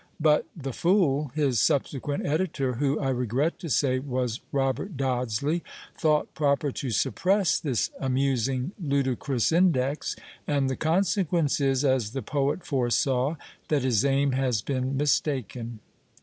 But "the fool," his subsequent editor, who, I regret to say, was Robert Dodsley, thought proper to suppress this amusing "ludicrous index," and the consequence is, as the poet foresaw, that his aim has been "mistaken."